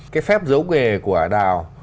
cái phép giấu nghề của ả đào